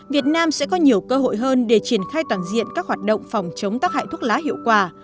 việt nam sẽ có nhiều cơ hội hơn để triển khai toàn diện các hoạt động phòng chống tác hại thuốc lá hiệu quả